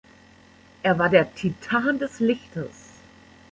Er war der Titan des Lichtes.